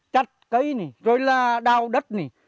chặt cây này rồi là đào đất này